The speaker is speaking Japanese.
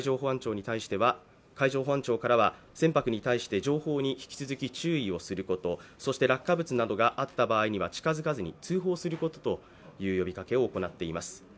海上保安庁からは船舶に対して情報に引き続き注意をすること、そして落下物などがあった場合には、近づかずに通報することという呼びかけを行っています。